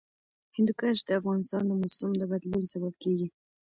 هندوکش د افغانستان د موسم د بدلون سبب کېږي.